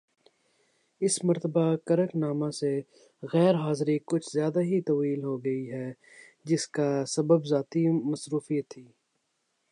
اس مرتبہ کرک نامہ سے غیر حاضری کچھ زیادہ ہی طویل ہوگئی ہے جس کا سبب ذاتی مصروفیت تھی